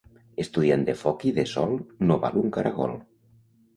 Estudiant de foc i de sol no val un caragol.